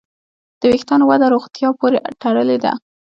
د وېښتیانو وده روغتیا پورې تړلې ده.